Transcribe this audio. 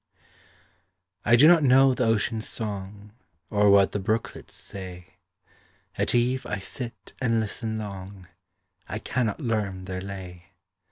I do not know the ocean’s song, Or what the brooklets say; At eve I sit and listen long, I cannot learn their lay.